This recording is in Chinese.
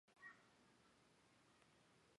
在这之前沙亚南由雪兰莪州发展局管辖。